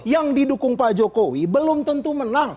yang didukung pak jokowi belum tentu menang